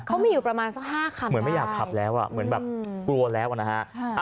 เขามีอยู่ประมาณสัก๕คันเหมือนไม่อยากขับแล้วอ่ะเหมือนแบบกลัวแล้วนะฮะ